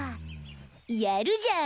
やるじゃん